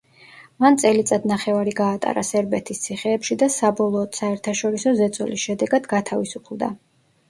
მან წელიწად-ნახევარი გაატარა სერბეთის ციხეებში და საბოლოოდ საერთაშორისო ზეწოლის შედეგად, გათავისუფლდა.